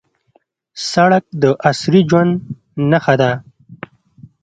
سړک د عصري ژوند نښه ده.